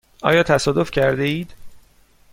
آیا تصادف کرده اید؟